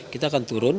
kita akan turun